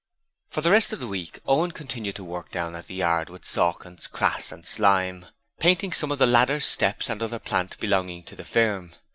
For the rest of the week, Owen continued to work down at the yard with Sawkins, Crass, and Slyme, painting some of the ladders, steps and other plant belonging to the firm.